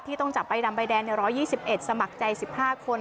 ต้องจับใบดำใบแดงใน๑๒๑สมัครใจ๑๕คน